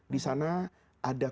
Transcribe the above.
di sana ada